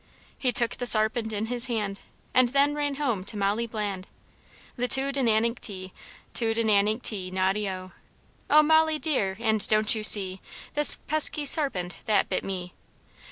He took the sarpent in his hand, And then ran home to Molly Bland, Li tu di nan incty, tu di nan incty, noddy O! O Molly dear, and don't you see, This pesky sarpent that bit me?